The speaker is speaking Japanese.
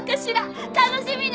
楽しみね！